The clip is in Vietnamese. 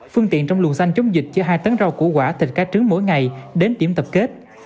phương tiện trong luồng xanh chống dịch cho hai tấn rau củ quả thịt cá trứng mỗi ngày đến điểm tập kết